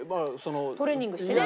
トレーニングしてね。